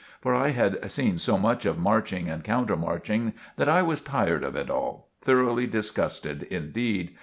For I had seen so much of marching and countermarching that I was tired of it all thoroughly disgusted indeed.